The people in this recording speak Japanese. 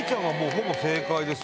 ほぼ正解です。